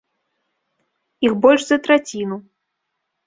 Іх больш за траціну.